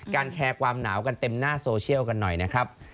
แชร์ความหนาวกันเต็มหน้าโซเชียลกันหน่อยนะครับ